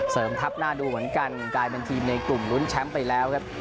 ทับหน้าดูเหมือนกันกลายเป็นทีมในกลุ่มลุ้นแชมป์ไปแล้วครับ